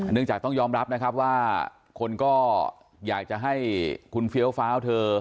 เนื่องจากต้องยอมรับนะครับว่าคนก็อยากจะให้คุณเฟี้ยวฟ้าวเธอ